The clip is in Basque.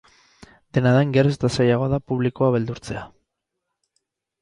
Dena den, geroz eta zailagoa da publikoa beldurtzea.